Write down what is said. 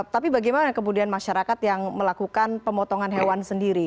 tapi bagaimana kemudian masyarakat yang melakukan pemotongan hewan sendiri